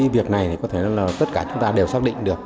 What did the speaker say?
việc này thì có thể là tất cả chúng ta đều xác định được